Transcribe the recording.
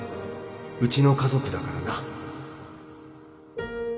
うちの家族だからな